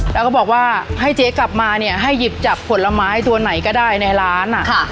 แล้วก็บอกว่าให้เจ๊กลับมาเนี่ยให้หยิบจับผลไม้ตัวไหนก็ได้ในร้าน